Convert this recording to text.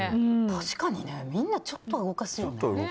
確かにね、みんなちょっとは動かすよね。